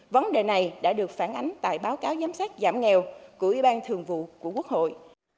vấn đề này đã được phản ánh tại báo cáo giám sát giảm nghèo của ủy ban thường vụ của quốc hội